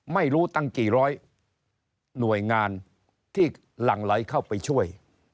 ไม่รู้ตั้งกี่ร้อยหน่วยงานที่หลั่งไหลเข้าไปช่วย